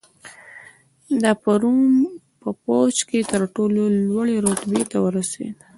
دا په روم په پوځ کې تر ټولو لوړې رتبې ته ورسېد